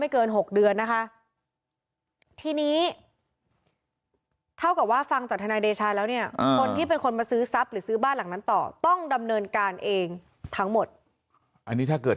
อันนี้ถ้าเกิดเชื่อของกฎหมาย